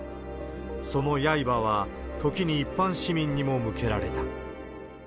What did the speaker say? その刃は時に一般市民にも向けられた。